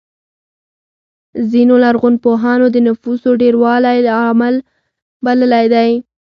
ځینو لرغونپوهانو د نفوسو ډېروالی لامل بللی دی.